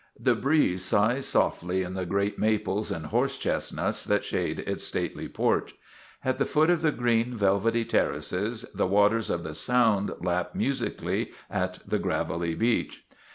The breeze sighs softly in the great maples and horse chestnuts that shade its stately porch. At the foot of the green, velvety terraces the waters of the Sound lap musically at the gravelly beach.